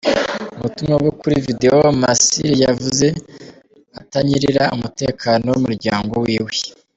Mu butumwa bwo kuri video, Masih yavuze atanyirira umutekano w'umuryango wiwe.